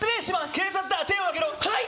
警察だ手を上げろはい！